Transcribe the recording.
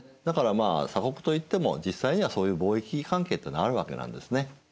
だからまあ鎖国といっても実際にはそういう貿易関係っていうのはあるわけなんですね。